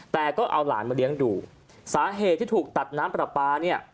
แต่ก็เอาหลานมาเลี้ยงดูสาเหตุที่ถูกตัดน้ำปลาปลาเนี่ย